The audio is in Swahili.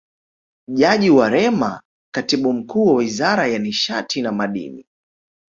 Jaji Werema Katibu Mkuu wa Wizara ya Nishati na Madini